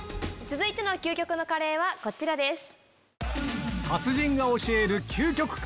続いての究極のカレーはこちらです。